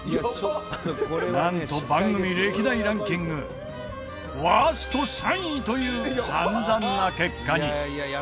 なんと番組歴代ランキングワースト３位という散々な結果に。